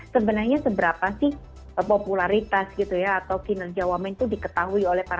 sebenarnya seberapa sih popularitas gitu ya atau kinerja wamen itu diketahui oleh para